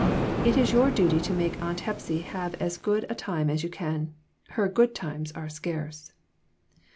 It is your duty to make Aunt Hepsy have as good a time as you can. Her 'good times' are scarce."